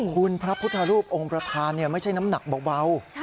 คุณพระพุทธรูปองค์ประธานไม่ใช่น้ำหนักเบา